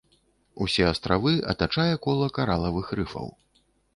Усе астравы атачае кола каралавых рыфаў.